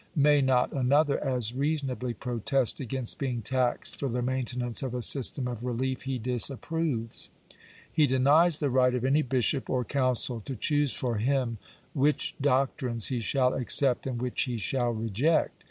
May not another as reasonably protest against being taxed for the maintenance of a system of relief he disapproves ? He denies the right of any bishop or council to choose for him which doctrines he shall accept and which he shall reject.